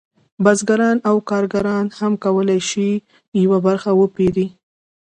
بزګران او کارګران هم کولی شي یوه برخه وپېري